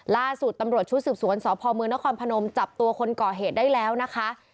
ล่าสุดตำรวจชุดสืบสวนสพมนครพนมจับตัวคนก่อเหตุได้แล้วนะคะ